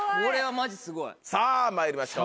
さぁまいりましょう。